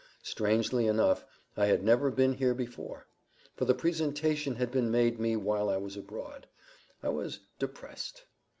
Strangely enough, I had never been here before; for the presentation had been made me while I was abroad.—I was depressed.